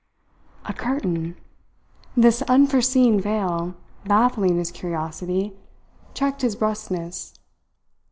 A curtain! This unforeseen veil, baffling his curiosity checked his brusqueness.